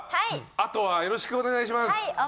あとはよろしくお願いします。